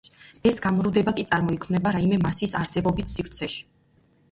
ეს გამრუდება კი წარმოიქმნება რაიმე მასის არსებობით სივრცეში.